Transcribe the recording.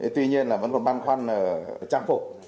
tuy nhiên là vẫn còn băn khoăn trang phục